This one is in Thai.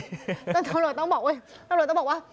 ตำรวจต้องบอกตำรวจต้องบอกว่า